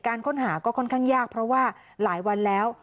ค้นหาก็ค่อนข้างยากเพราะว่าหลายวันแล้ว